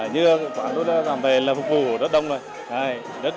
như khoảng lúc làm về là phục vụ rất đông rồi